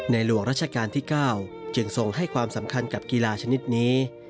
หลวงราชการที่๙จึงทรงให้ความสำคัญกับกีฬาชนิดนี้